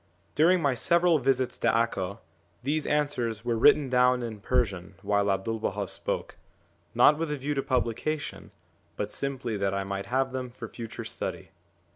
During my several visits to Acca, these answers were written down in Persian while 'Abdu'1 Baha spoke, not with a view to publication, but simply that I might have them for future study.